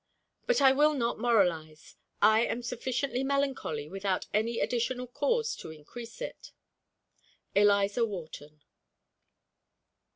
But I will not moralize. I am sufficiently melancholy without any additional cause to increase it. ELIZA WHARTON.